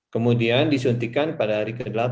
kemudian disuntikan pada hari ke delapan